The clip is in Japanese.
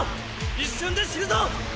一瞬で死ぬぞ！